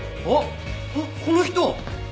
あっこの人！